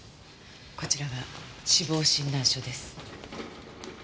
こちらが死亡診断書です。